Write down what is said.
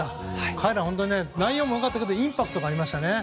彼らは内容も良かったけどインパクトがありましたね。